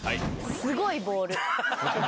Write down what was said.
すごいボール？